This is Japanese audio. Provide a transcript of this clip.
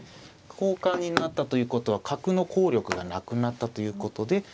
交換になったということは角の効力がなくなったということで。